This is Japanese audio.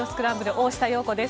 大下容子です。